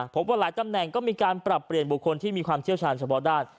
พบว่าหลายตำแหน่งก็มีการปรับเปลี่ยนบุคคลที่มีความเชี่ยวชาญเฉพาะด้าน